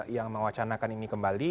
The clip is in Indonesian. yang mewacanakan ini kembali